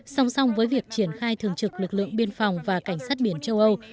song song với việc triển khai thường trực lực lượng biên phòng và cảnh sát biển châu âu